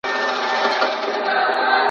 که میز پاک وي نو لستوڼی نه تورېږي.